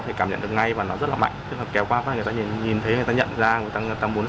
thể nhìn thấy ngay và nó rất là mạnh kéo qua người ta nhìn thấy người ta nhận ra người ta muốn